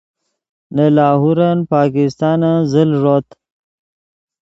نے لاہورن پاکستانن زل ݱوت